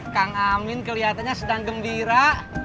kang amin kelihatannya sedang gembira